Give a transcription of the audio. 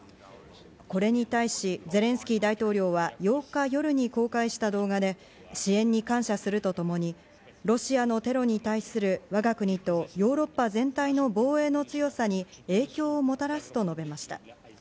これに対し、ゼレンスキー大統領は８日夜に公開した動画で支援に感謝するとともに、ロシアのテロに対する我が国とヨーロッパ全体の防衛の強さに影響をもたらすと述べました。